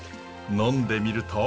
飲んでみると。